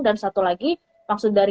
dan satu lagi maksud dari